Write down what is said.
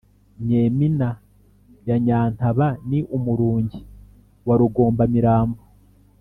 Nyemina ya Nyantaba ni Umurungi-wa-Rugombamirambo